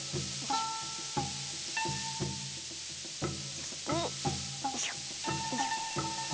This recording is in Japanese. そしてよいしょよいしょ。